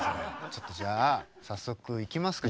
ちょっとじゃあ早速いきますか。